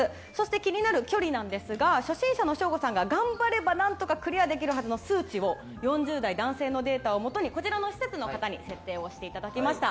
気になる距離ですが初心者の省吾さんが、頑張れば何とかクリアできるはずの数値を４０代男性のデータをもとにこちらの施設の方に設定していただきました。